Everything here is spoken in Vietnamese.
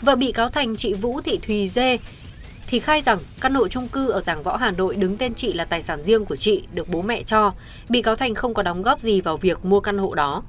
vợ bị cáo thành chị vũ thị thùy dê thì khai rằng căn hộ trung cư ở ràng võ hà nội đứng tên chị là tài sản riêng của chị được bố mẹ cho bị cáo thành không có đóng góp gì vào việc mua căn hộ đó